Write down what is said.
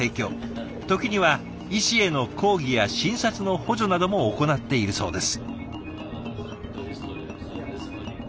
時には医師への講義や診察の補助なども行っているそうです。